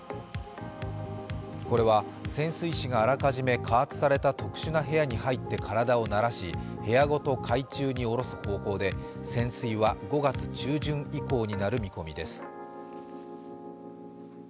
これは潜水士があらかじめ加圧された特殊な部屋に入って体を慣らし部屋ごと海中に下ろす方法で潜水は５月中旬以降になる見込みです。